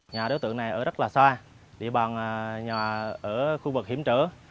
nhà đối tượng này ở rất là xa địa bàn nhà ở khu vực hiểm trở